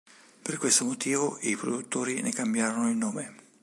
Per questo motivo i produttori ne cambiarono il nome.